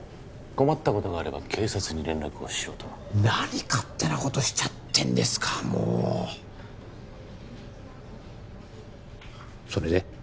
困ったことがあれば警察に連絡をしろと何勝手なことしちゃってんですかもうそれで？